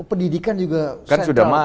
pendidikan juga sudah masuk